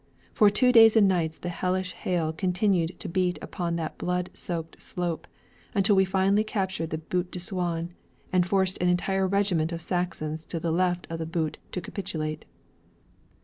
For two days and nights the hellish hail continued to beat upon that blood soaked slope, until we finally captured the Butte de Souain and forced an entire regiment of Saxons to the left of the butte to capitulate.